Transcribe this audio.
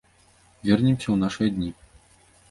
Вернемся ў нашыя дні.